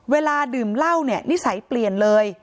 เวลาดื่มเหล้าเนี่ยนิสัยเปลี่ยนเลย